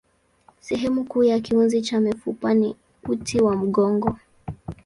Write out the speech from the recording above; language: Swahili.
Sehemu kuu ya kiunzi cha mifupa ni uti wa mgongo.